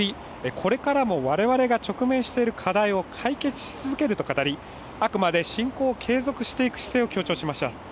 これからも我々が直面している課題を解決し続けると語りあくまで侵攻を継続していく姿勢を強調しました。